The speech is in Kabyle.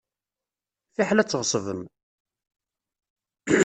Fiḥel ad tɣeṣbem.